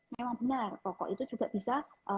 memang benar rokok itu juga bisa